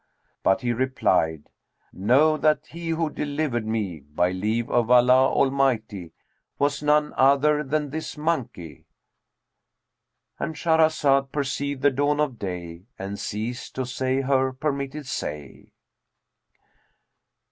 But he replied, 'Know that he who delivered me, by leave of Allah Almighty, was none other than this monkey'"—And Shahrazad perceived the dawn of day and ceased to say her permitted say.